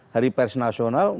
hari pers nasional